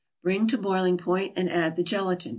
Bring to boiling point, and add the gelatin.